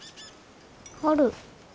ある。